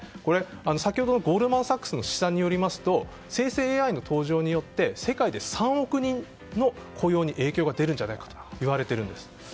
先ほどのゴールドマン・サックスの試算によりますと生成ＡＩによって世界で３億人の雇用に影響が出るんじゃないかといわれているんです。